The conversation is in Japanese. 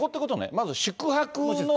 まず宿泊の。